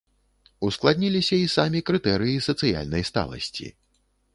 Ускладніліся і самі крытэрыі сацыяльнай сталасці.